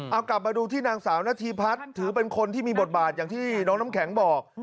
เอากลับมาดูที่นางสาวนาธิพัฒน์ถือเป็นคนที่มีบทบาทอย่างที่น้องน้ำแข็งบอก